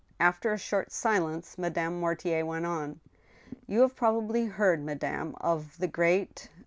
After a short silence, Madame Mortier went on :" You have probably heard, madame, of the great